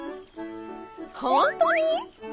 ほんとに？